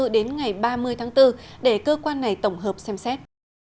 đến ngày ba mươi tháng bốn để cơ quan này tổng hợp xem xét